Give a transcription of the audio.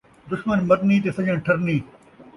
دشمن مرنِیں تے سڄݨ ٹھرنِیں